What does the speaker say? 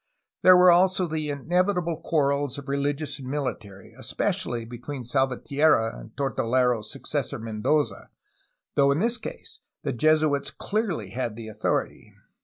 There were also the inevitable quarrels of religious and military, especially between Salvatierra and Tortolero^s successor, Mendoza, though in this case the Jesuits clearly had authority.